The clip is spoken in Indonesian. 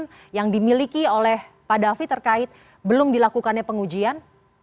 atau ada fakta lain yang dimiliki oleh pak david terkait belum dilakukannya pengujian